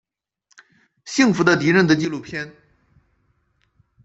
幸福的敌人的纪录片。